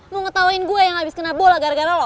mau ngetahuin gua yang abis kena bola gara gara lo